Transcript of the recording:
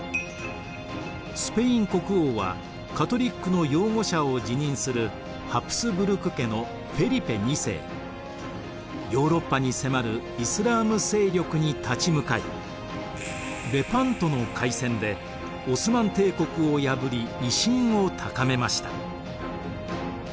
スペイン国王はカトリックの擁護者を自任するハプスブルク家のヨーロッパに迫るイスラーム勢力に立ち向かいレパントの海戦でオスマン帝国を破り威信を高めました。